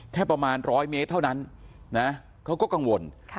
แค่ประมาณ๑๐๐เมตรเท่านั้นนะเขาก็กังวล